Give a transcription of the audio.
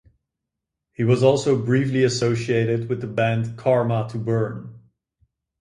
He was also briefly associated with the band Karma to Burn.